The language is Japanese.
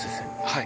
はい。